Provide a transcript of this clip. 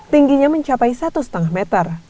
tingginya mencapai satu lima meter